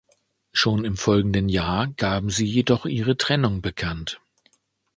Schon im folgenden Jahr gaben sie jedoch ihre Trennung bekannt.